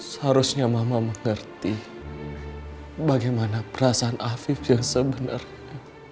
seharusnya mama mengerti bagaimana perasaan afif yang sebenarnya